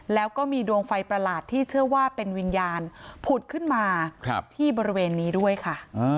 แล้วก็มีดวงไฟประหลาดที่เชื่อว่าเป็นวิญญาณผุดขึ้นมาที่บริเวณนี้ด้วยค่ะ